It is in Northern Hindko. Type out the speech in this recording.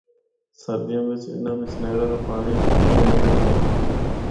سردیاں بچ اناں بچ نہر دا پانڑی بیندے ہن۔